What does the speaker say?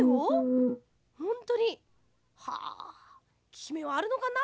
ききめはあるのかな？